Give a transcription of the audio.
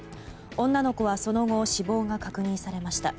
女の子はその後死亡が確認されました。